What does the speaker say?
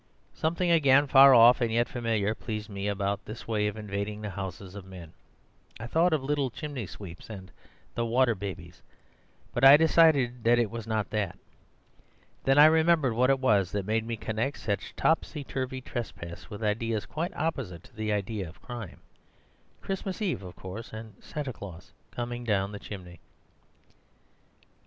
Something again far off, and yet familiar, pleased me about this way of invading the houses of men. I thought of little chimney sweeps, and 'The Water Babies;' but I decided that it was not that. Then I remembered what it was that made me connect such topsy turvy trespass with ideas quite opposite to the idea of crime. Christmas Eve, of course, and Santa Claus coming down the chimney.